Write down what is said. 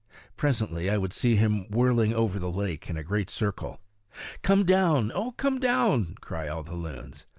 Presently I would see him whirling over the lake in a great circle. "Come down, O come down," cry all the loons.